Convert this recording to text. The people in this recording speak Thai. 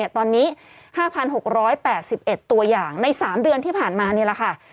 ตอนนี้๕๖๘๑ตัวอย่างใน๓เดือนที่ผ่านมานี่แหละค่ะ